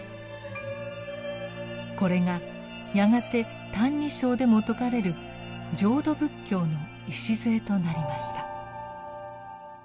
これがやがて「歎異抄」でも説かれる浄土仏教の礎となりました。